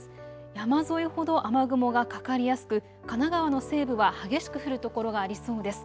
山沿いほど雨雲がかかりやすく神奈川の西部は激しく降る所がありそうです。